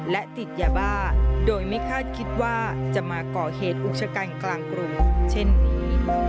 และติดยาบ้าโดยไม่คาดคิดว่าจะมาก่อเหตุอุกชะกันกลางกรุงเช่นนี้